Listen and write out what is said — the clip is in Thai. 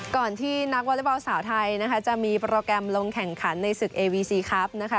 ก่อนที่นักวอเล็กบอลสาวไทยนะคะจะมีโปรแกรมลงแข่งขันในศึกเอวีซีครับนะคะ